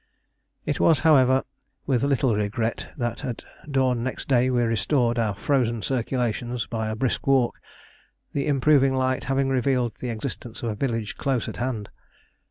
It was, however, with little regret that at dawn next day we restored our frozen circulations by a brisk walk, the improving light having revealed the existence of a village close at hand.